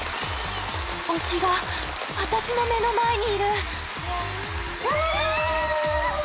推しが私の目の前にいる！